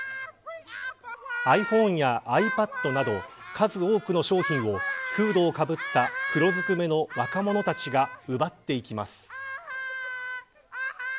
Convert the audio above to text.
ｉＰｈｏｎｅやｉＰａｄなど数多くの商品をフードをかぶった黒ずくめの若者たちが奪っていきます。